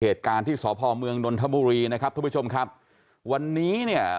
เหตุการณ์ที่สพเมืองนนทบุรีนะครับทุกผู้ชมครับวันนี้เนี่ย